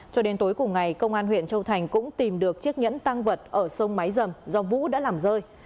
cho đến tối cùng ngày công an huyện châu thành cũng tìm được chiếc nhẫn tăng vật ở sông máy dầm do vũ đã làm rơi